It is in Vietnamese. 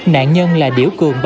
nạn nhân là điễu cường